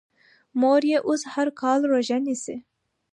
مور یې اوس هر کال روژه نیسي.